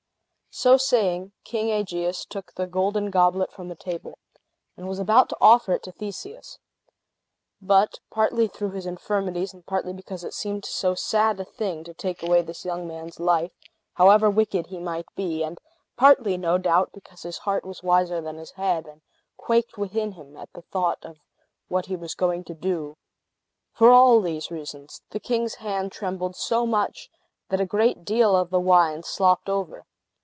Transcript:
So saying, King Aegeus took the golden goblet from the table, and was about to offer it to Theseus. But, partly through his infirmities, and partly because it seemed so sad a thing to take away this young man's life, however wicked he might be, and partly, no doubt, because his heart was wiser than his head, and quaked within him at the thought of what he was going to do for all these reasons, the king's hand trembled so much that a great deal of the wine slopped over.